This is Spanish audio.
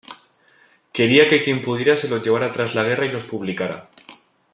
Quería que quien pudiera se los llevara tras la guerra y los publicara.